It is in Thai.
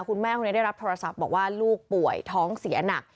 คุณแม่คนนี้ได้รับโทรศัพท์บอกว่าลูกป่วยท้องเสียหนัก